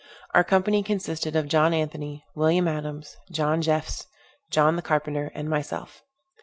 Our company consisted of John Anthony, William Adams, John Jephs, John the carpenter and myself.